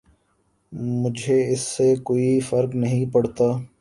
مجھے اس سے کوئی فرق نہیں پڑتا۔